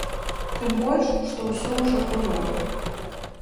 Тым больш, што ўсё ўжо было.